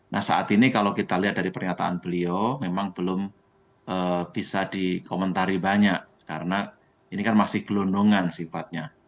nah saat ini kalau kita lihat dari pernyataan beliau memang belum bisa dikomentari banyak karena ini kan masih gelondongan sifatnya